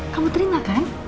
kamu terima kan